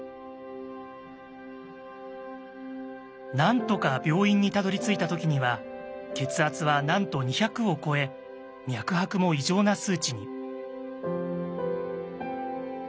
なんとか病院にたどりついた時には血圧はなんと２００を超え脈拍も異常な数値に。